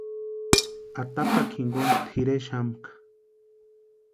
Atapakwa jinkoni tʼirexamka.